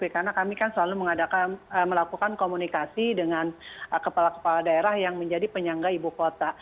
karena kami kan selalu melakukan komunikasi dengan kepala kepala daerah yang menjadi penyangga ibu kota